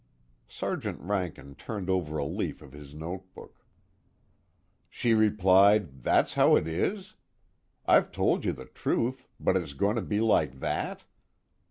'" Sergeant Rankin turned over a leaf of his notebook. "She replied: 'That's how it is? I've told you the truth, but it's going to be like that?'